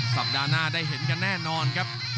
สัปดาห์หน้าได้เห็นกันแน่นอนครับ